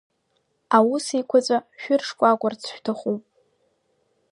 Аус еиқәаҵәа шәыршкәакәарц шәҭахуп!